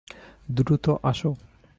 দ্রুত আসো।